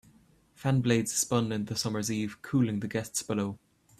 Fan blades spun in the summer's eve, cooling the guests below.